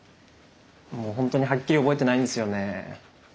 もう本当にはっきり覚えてないんですよね。